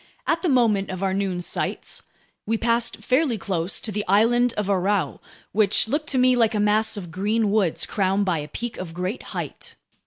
At the moment of our noon sights, we passed fairly close to the island of Aurou, which looked to me like a mass of green woods crowned by a peak of great height.